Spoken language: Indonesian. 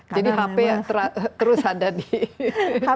jadi hp terus ada di tangan